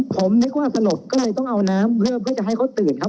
ผมนึกว่าสลดก็เลยต้องเอาน้ำเพิ่มเพื่อจะให้เขาตื่นครับ